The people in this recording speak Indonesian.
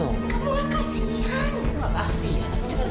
kamu nggak kasihan